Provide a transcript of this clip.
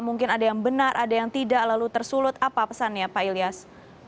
mungkin ada yang benar ada yang tidak lalu tersulut apa pesannya pak ilyas